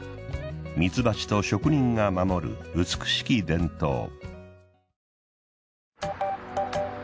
ミツバチと職人が守る美しき伝統。